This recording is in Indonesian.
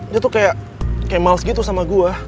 dia tuh kayak males gitu sama gue